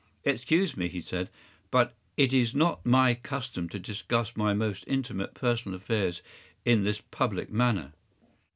“Excuse me,” he said, “but it is not my custom to discuss my most intimate personal affairs in this public manner.